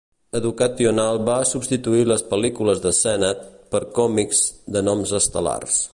Educational va substituir les pel·lícules de Sennett per còmics de noms estel·lars.